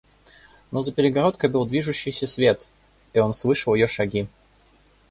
Но за перегородкой был движущийся свет, и он слышал ее шаги.